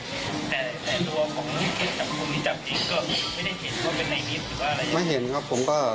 แต่แต่รัวของจับกลุ่มนี้จับจริงก็ไม่ได้เห็นว่าเป็นในนิตหรือว่าอะไร